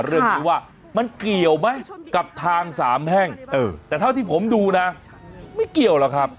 เรื่องนี้ว่ามันเกี่ยวไหมกับทางสามแห้งแต่เท่าที่ผมดูนะไม่เกี่ยวหรอกครับ